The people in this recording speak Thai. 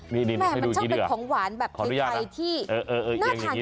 มันชอบจะเป็นของหวานแบบใครน่าทานจริง